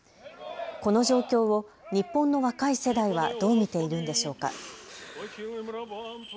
この状況を日本の若い世代はどう見ているんでしょうか。